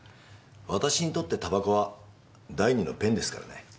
私にとってタバコは第二のペンですからね。